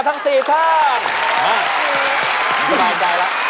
ผมสบายใจแล้ว